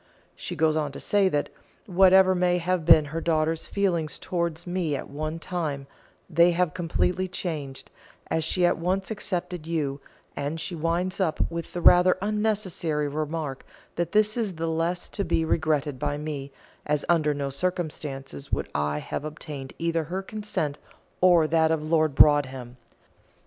She goes on to say that, whatever may have been her daughter's feelings towards me at one time, they have completely changed, as she at once accepted you; and she winds up with the rather unnecessary remark that this is the less to be regretted by me, as under no circumstances would I have obtained either her consent or that of Lord Broadhem.